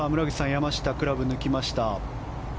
山下がクラブを抜きました。